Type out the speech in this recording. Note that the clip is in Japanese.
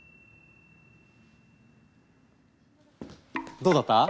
どうだった？